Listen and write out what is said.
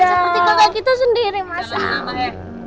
seperti kakak kita sendiri masang